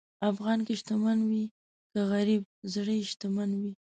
افغان که شتمن وي که غریب، زړه یې شتمن وي.